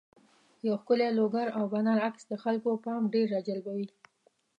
یو ښکلی لوګو او بنر عکس د خلکو پام ډېر راجلبوي.